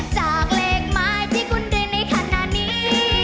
จากเลขหมายที่คุณได้ในขณะนี้